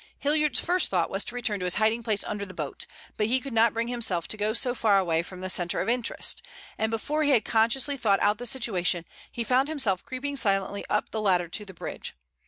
Hilliard's first thought was to return to his hiding place under the boat, but he could not bring himself to go so far away from the center of interest, and before he had consciously thought out the situation he found himself creeping silently up the ladder to the bridge.